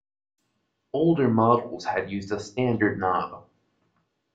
Older models had used a standard knob.